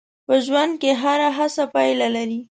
په ژوند کې هره هڅه پایله لري.